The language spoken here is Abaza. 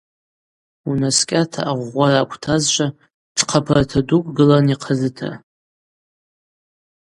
Унаскӏьата агъвгъвара аквтазшва тшхъапарта дукӏ гылан йахъазыта.